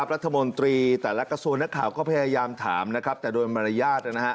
รัฐมนตรีแต่ละกระทรวงนักข่าวก็พยายามถามนะครับแต่โดยมารยาท